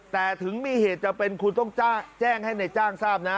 แต่ถึงมีเหตุจำเป็นคุณต้องแจ้งให้ในจ้างทราบนะ